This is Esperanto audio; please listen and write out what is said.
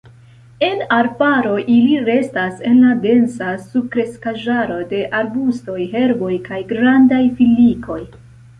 En arbaro, ili restas en la densa subkreskaĵaro de arbustoj, herboj kaj grandaj filikoj.